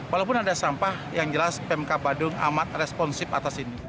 walaupun ada sampah yang jelas pmk badung amat responsif atas ini